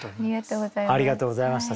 ありがとうございます。